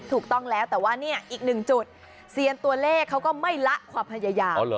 ถูกต้องแล้วแต่ว่าเนี่ยอีกหนึ่งจุดเซียนตัวเลขเขาก็ไม่ละความพยายาม